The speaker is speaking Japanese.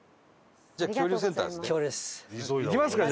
じゃあ恐竜センターですね。